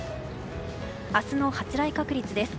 明日の発雷確率です。